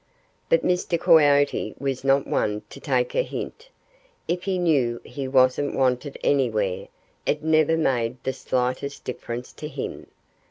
But Mr. Coyote was not one to take a hint. If he knew he wasn't wanted anywhere, it never made the slightest difference to him.